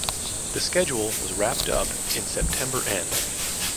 The schedule was wrapped up in September end.